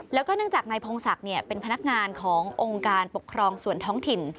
แล้วก็เนื่องจากนายพงศักดิ์เป็นพนักงานขององค์การปกครองส่วนท้องถิ่น